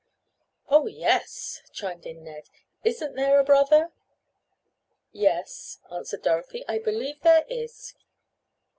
"Oh, yes," chimed in Ned. "Isn't there a brother?" "Yes," answered Dorothy. "I believe there is."